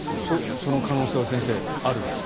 その可能性は先生、あるんですか？